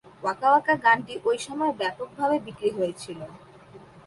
Waka Waka গানটি ঐ সময়ে ব্যাপকভাবে বিক্রি হয়েছিল।